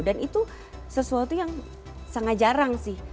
dan itu sesuatu yang sangat jarang sih